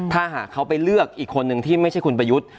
ถ้าหากเขาไปเลือกอีกคนนึงที่ไม่ใช่คุณประยุทธ์